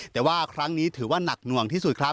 แต่ว่าครั้งนี้ถือว่านักหน่วงที่สุดครับ